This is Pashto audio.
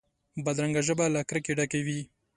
بدرنګه ژبه له کرکې ډکه وي